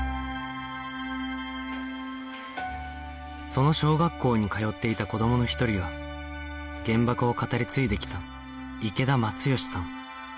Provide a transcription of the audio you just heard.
その小学校に通っていた子どもの一人は原爆を語り継いできた池田松義さん